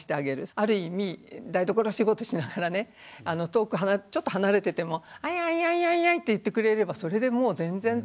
ある意味台所仕事しながらね遠くちょっと離れてても「アイアイアイアイアイ」って言ってくれればそれでもう全然。